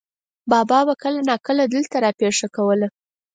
بابا به کله ناکله دلته را پېښه کوله.